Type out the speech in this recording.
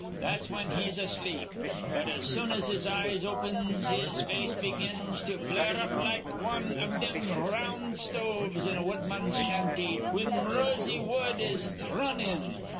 That's whin he's asleep. But, as soon as his eyes opins, his face begins to flare up like wan iv thim r round stoves in a woodman's shanty whin rosiny wood is thrun in.